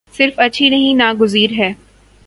صرف اچھی نہیں ناگزیر ہے۔